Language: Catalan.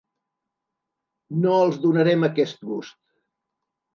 No els donarem aquest gust.